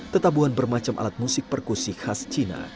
tetabuhan bermacam alat musik perkusik khas china